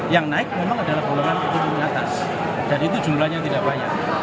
yang naik memang adalah golongan atas dan itu jumlahnya tidak banyak